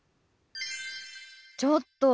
ちょっと！